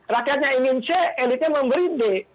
rakyatnya ingin c elitnya memberi d